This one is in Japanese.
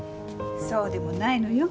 そうでもないのよ。